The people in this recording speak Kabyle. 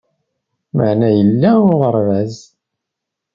Mani yella uɣerbaz